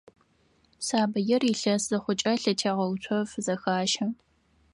Сабыир илъэс зыхъукӀэ, лъэтегъэуцо фызэхащэ.